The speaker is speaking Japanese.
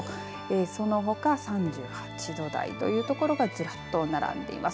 そのほか３８度台というところがずらっと並んでいます。